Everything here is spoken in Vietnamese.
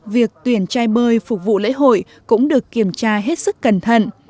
việc tuyển trai bơi phục vụ lễ hội cũng được kiểm tra hết sức cẩn thận